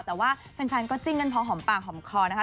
แต่ว่าแฟนก็จิ้นกันพอหอมปากหอมคอนะคะ